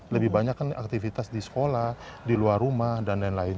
lebih banyak kan aktivitas di sekolah di luar rumah dan lain lain